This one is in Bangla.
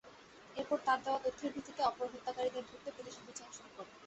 এরপর তাঁর দেওয়া তথ্যের ভিত্তিতে অপর হত্যাকারীদের ধরতে পুলিশ অভিযান শুরু করে।